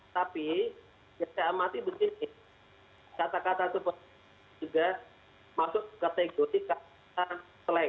tapi yang saya amati begini kata kata seperti itu juga masuk kategori kata slang